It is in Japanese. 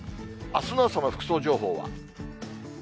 あすの朝の服装情報は。